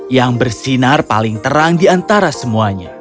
yang bersinar paling terang di antara semuanya